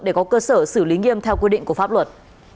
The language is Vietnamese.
để có cơ sở xử lý nghiêm theo quy định của pháp luật